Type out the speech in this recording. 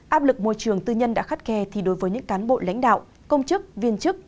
áp lực môi trường tư nhân đã khắt khe thì đối với những cán bộ lãnh đạo công chức viên chức